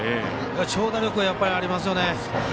長打力、やっぱりありますよね。